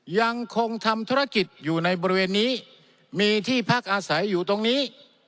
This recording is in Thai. ยังคงทำธุรกิจอยู่ในบริเวณนี้มีที่พักอาศัยอยู่ตรงนี้